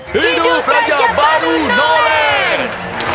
hidup raja baru nolen